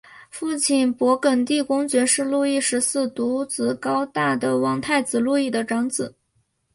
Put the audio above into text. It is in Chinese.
父亲勃艮地公爵是路易十四独子高大的王太子路易的长子。